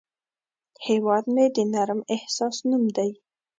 هیواد مې د نرم احساس نوم دی